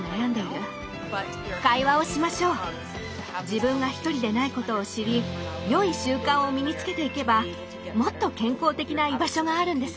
自分がひとりでないことを知りよい習慣を身につけていけばもっと健康的な居場所があるんです。